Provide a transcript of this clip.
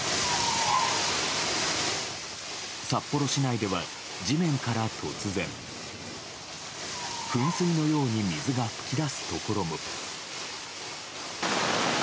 札幌市内では地面から突然、噴水のように水が噴き出すところも。